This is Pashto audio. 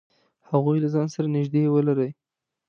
هغوی له ځان سره نږدې ولری.